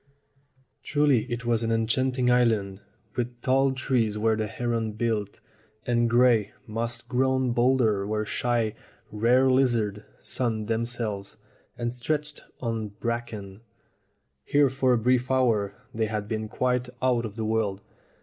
Truly it was an enchanting island, with tall trees where the herons built, and gray, moss grown boulders where shy, rare lizards sunned themselves, and stretches of bracken. Here for a brief hour they had been quite out of the world.